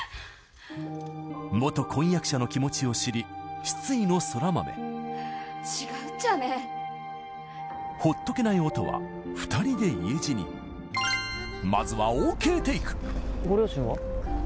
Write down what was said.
元婚約者の気持ちを知り失意の空豆違うっちゃねほっとけない音は２人で家路にまずはＯＫテイクご両親は？